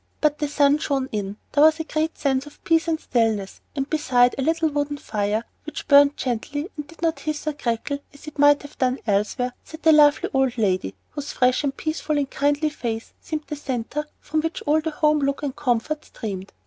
But the sun shone in, there was a great sense of peace and stillness, and beside a little wood fire, which burned gently and did not hiss or crackle as it might have done elsewhere, sat a lovely old lady, whose fresh and peaceful and kindly face seemed the centre from which all the home look and comfort streamed.